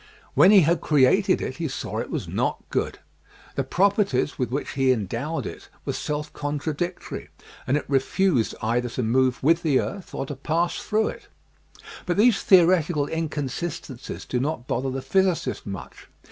When he had created it he saw it was not good. The prop erties with which he endowed it were self contradic tory, and it refused either to move with the earth or to pass through it. But these theoretical inconsis tencies do not bother the physicist much.